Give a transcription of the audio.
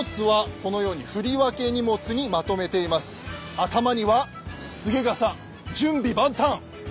頭には準備万端！